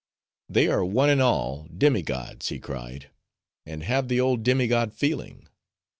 "They are one and all demi gods," he cried, "and have the old demi god feeling.